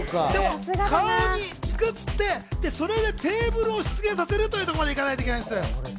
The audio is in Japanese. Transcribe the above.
顔に作って、それでテーブルを出現させるというところまでいかないといけないのよ。